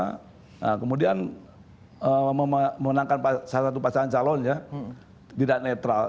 nah kemudian memenangkan salah satu pasangan calon ya tidak netral